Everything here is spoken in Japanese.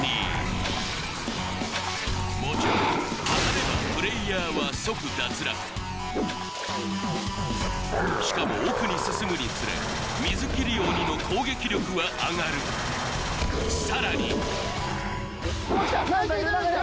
もちろん当たればプレイヤーは即脱落しかも奥に進むにつれ水切り鬼の攻撃力は上がるさらにおっきた！